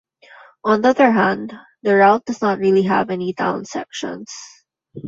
On the other hand the route does not really have any town sections.